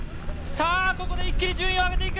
ここで一気に順位を上げていく。